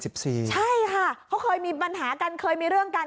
ใช่ค่ะเขาเคยมีปัญหากันเคยมีเรื่องกัน